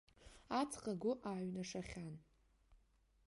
Аҵх агәы ааҩнашахьан.